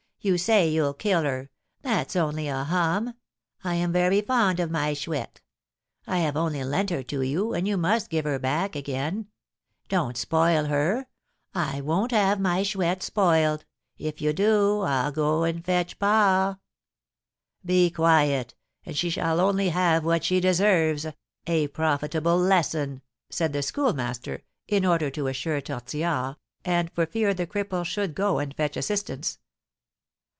You say you'll kill her, that's only a hum; I am very fond of my Chouette; I have only lent her to you, and you must give her back again. Don't spoil her, I won't have my Chouette spoiled, if you do, I'll go and fetch pa!" "Be quiet, and she shall only have what she deserves, a profitable lesson," said the Schoolmaster, in order to assure Tortillard, and for fear the cripple should go and fetch assistance.